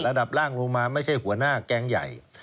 ร่างลงมาไม่ใช่หัวหน้าแก๊งใหญ่